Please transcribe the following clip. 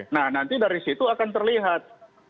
nah nanti dari situ akan terlihat